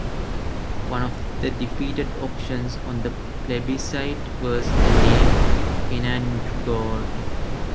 One of the defeated options on the plebiscite was the name Penetangore.